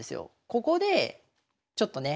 ここでちょっとね